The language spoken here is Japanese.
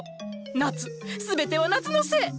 夏全ては夏のせい！